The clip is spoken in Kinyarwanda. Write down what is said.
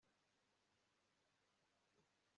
ubarwa hakurikijwe amezi yakoze